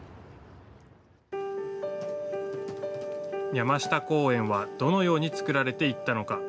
山下公園はどのように造られていったのか。